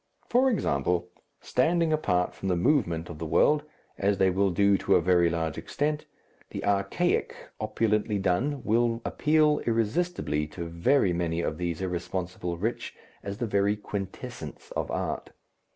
For example, standing apart from the movement of the world, as they will do to a very large extent, the archaic, opulently done, will appeal irresistibly to very many of these irresponsible rich as the very quintessence of art.